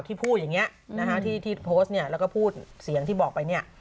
ที่พูดอย่างนี้ที่โพสต์แล้วก็พูดเสียงที่บอกไป